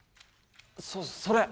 そうそれ！